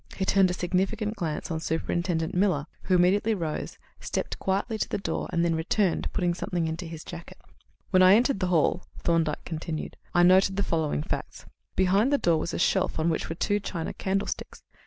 He turned a significant glance on Superintendent Miller, who immediately rose, stepped quietly to the door, and then returned, putting something into his pocket. "When I entered the hall," Thorndyke continued, "I noted the following facts: Behind the door was a shelf on which were two china candlesticks.